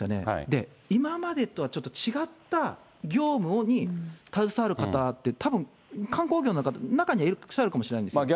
で、今までとはちょっと違った業務に携わる方って、たぶん、観光業の方、中にはいらっしゃるかもしれないですよね。